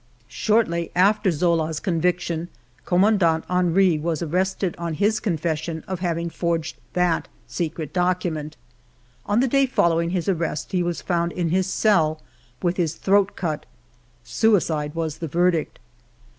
Shortly after Zola's conviction. Commandant Henry was arrested on his confession of having forged that secret document. On the day following his EDITOR'S PREFACE xili arrest he was found in his cell with his throat cut. Suicide was the verdict.